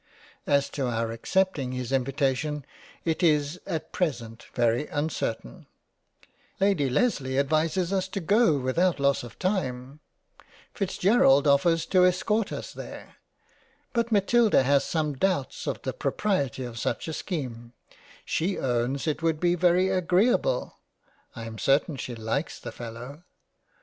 As to our accepting his invitation, it is at present very uncertain ; Lady Lesley advises us to go without loss of time ; Fitzgerald offers to escort us there, but Matilda has some doubts of the Pro priety of such a scheme — she owns it would be very agreable. I am certain she likes the Fellow.